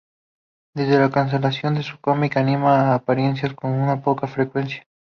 Desde la cancelación de su cómic, Anima ha aparecido con muy poca frecuencia.